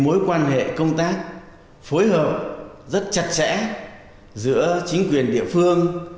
mối quan hệ công tác phối hợp rất chặt chẽ giữa chính quyền địa phương